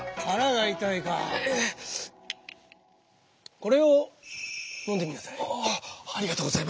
これをのんでみなさい。